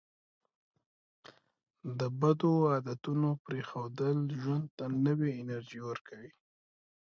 د بدو عادتونو پرېښودل ژوند ته نوې انرژي ورکوي.